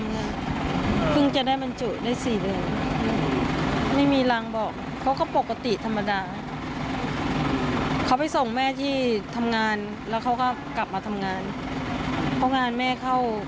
ลูกสบายโทรไปบอก